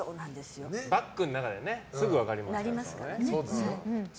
バッグの中ですぐ分かりますからね。